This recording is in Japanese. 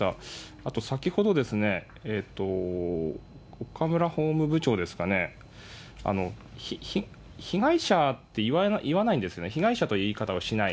あと先ほど、岡村法務部長ですかね、被害者って言わないんですね、被害者という言い方をしない。